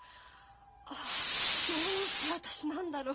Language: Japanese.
あどうして私なんだろう。